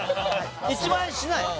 １万円しない？